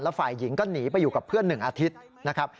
ฝ่ายหญิงก็หนีไปอยู่กับเพื่อน๑อาทิตย์นะครับ